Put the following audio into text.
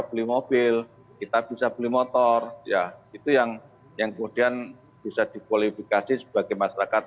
beli mobil kita bisa beli motor ya itu yang yang kemudian bisa dikualifikasi sebagai masyarakat